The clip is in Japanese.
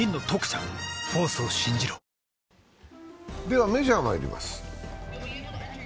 ではメジャーにまいります。